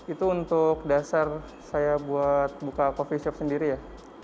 itu untuk dasar saya buat buka coffee shop sendiri ya